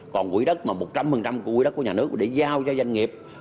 còn quỹ đất mà một trăm linh của quỹ đất của nhà nước để giao cho doanh nghiệp